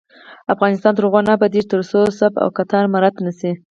افغانستان تر هغو نه ابادیږي، ترڅو صف او کتار مراعت نشي.